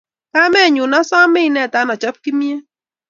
Kamenyu asome ineta achop kimnyet